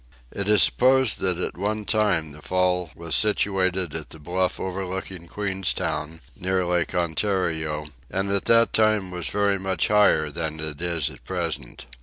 It is supposed that at one time the fall was situated at the bluff overlooking Queenstown, near Lake Ontario, and at that time was very much higher than it is at present.